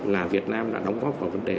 là việt nam đã đóng góp vào vấn đề